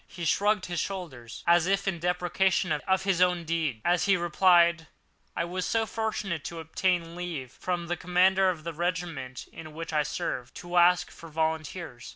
He shrugged his shoulders, as if in depreciation of his own deed, as he replied: "I was so fortunate as to obtain leave from the commander of the regiment in which I served, to ask for volunteers."